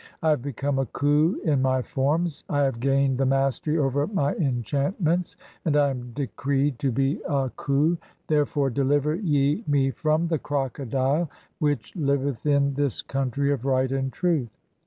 I have become a khu (3) in my forms, I have gained "the mastery over my enchantments, and I am decreed to be a "khu ; (4) therefore deliver ye me from the crocodile [which liveth "in] this country of right and truth.